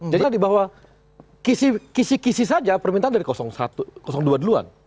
jadi tadi bahwa kisi kisi saja permintaan dari dua duluan